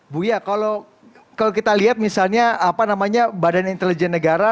buya kalau kita lihat misalnya apa namanya badan intelijen negara